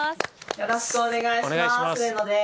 よろしくお願いします。